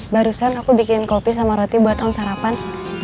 barusan aku bikin kopi sama roti buat om sarapan